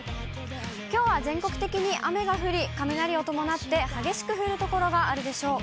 きょうは全国的に雨が降り、雷を伴って激しく降る所があるでしょう。